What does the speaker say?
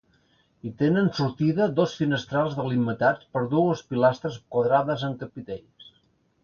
Hi tenen sortida dos finestrals delimitats per dues pilastres quadrades amb capitells.